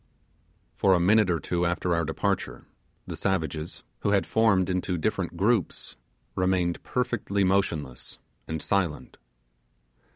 For a minute or two after our departure, the savages, who had formed into different groups, remained perfectly motionless and silent.